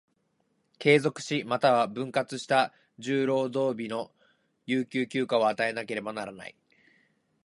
継続し、又は分割した十労働日の有給休暇を与えなければならない。